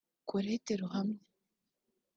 Collette Ruhamya